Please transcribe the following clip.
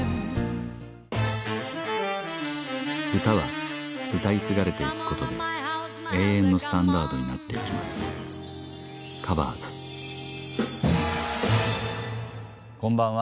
歌は歌い継がれていくことで永遠のスタンダードになっていきますこんばんは。